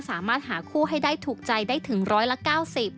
สามารถหาคู่ให้ได้ถูกใจได้ถึงร้อยละเก้าสิบ